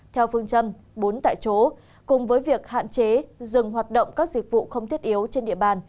theo phương châm bốn tại chỗ cùng với việc hạn chế dừng hoạt động các dịch vụ không thiết yếu trên địa bàn